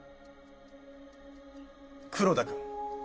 黒田君。